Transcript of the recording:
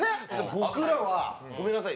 僕らはごめんなさい。